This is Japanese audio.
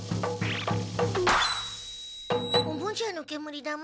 おもちゃの煙玉？